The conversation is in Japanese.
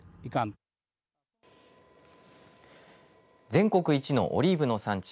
全国一のオリーブの産地